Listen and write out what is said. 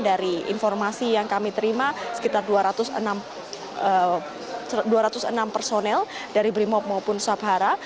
dari informasi yang kami terima sekitar dua ratus enam personel dari brimob maupun sabhara